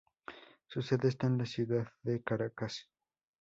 Su sede está en la ciudad de Caracas.